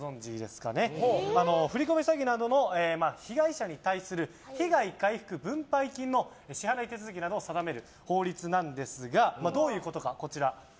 詐欺などの被害者に対する被害回復分配金の支払い手続きなどを定める法律なんですがどういうことか？